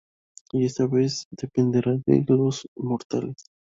Y esta vez dependerá de los mortales.